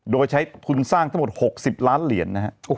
โดยใช้ทุนสร้างทั้งหมด๖๐ล้านเหรียญนะครับ